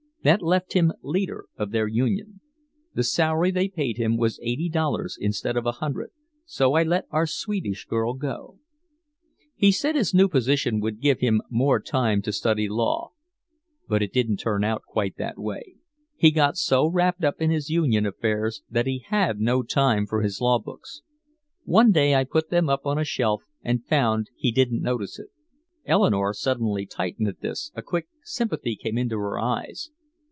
That left him leader of their union. The salary they paid him was eighty dollars instead of a hundred so I let our Swedish girl go. "He said his new position would give him more time to study law. But it didn't turn out quite that way. He got so wrapped up in his union affairs that he had no time for his law books. One day I put them up on a shelf and found he didn't notice it." Eleanore suddenly tightened at this, a quick sympathy came into her eyes.